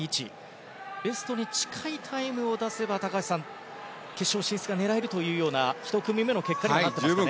ベストに大会タイムを出せば高橋さん、決勝進出が狙えるという１組目の結果になってますね。